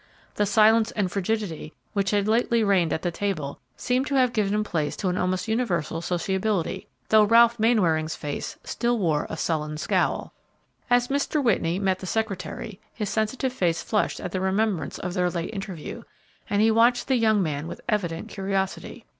The silence and frigidity which had lately reigned at the table seemed to have given place to almost universal sociability, though Ralph Mainwaring's face still wore a sullen scowl. As Mr. Whitney met the secretary, his sensitive face flushed at the remembrance of their late interview, and he watched the young man with evident curiosity.